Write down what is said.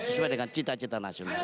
sesuai dengan cita cita nasional